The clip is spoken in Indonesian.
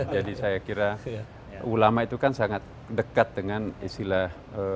jadi saya kira ulama itu kan sangat dekat dengan istilah